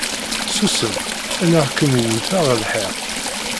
susem ad neɣ kem-wteɣ ɣer lḥiḍ.